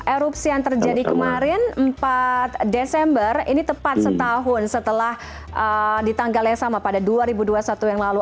erupsi yang terjadi kemarin empat desember ini tepat setahun setelah di tanggal yang sama pada dua ribu dua puluh satu yang lalu